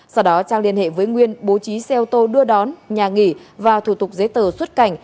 sau đó trang liên hệ với nguyên bố trí xe ô tô đưa đón nhà nghỉ và thủ tục giấy tờ xuất cảnh